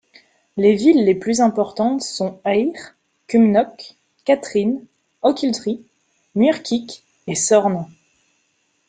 Les villes les plus importantes sont Ayr, Cumnock, Catrine, Ochiltree, Muirkirk et Sorn.